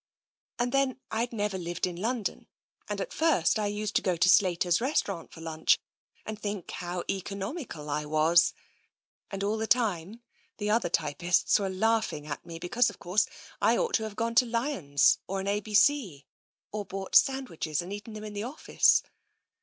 " And then I'd never lived in London, and at first I used to go to Slater's Restaurant for lunch, and think how economical I was, and all the time the other typists were laughing at me and thinking I was giving myself airs because, of course, I ought to have gone to Lyons or an A. B.C. or bought sandwiches and eaten them in the office.